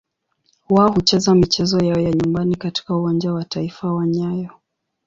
Wao hucheza michezo yao ya nyumbani katika Uwanja wa Taifa wa nyayo.